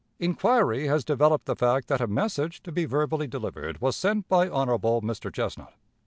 Inquiry has developed the fact that a message, to be verbally delivered, was sent by Hon. Mr. Chesnut.